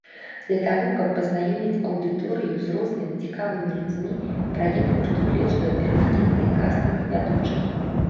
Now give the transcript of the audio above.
Для таго, каб пазнаёміць аўдыторыю з рознымі цікавымі людзьмі, праект прадугледжвае перманентны кастынг вядучых.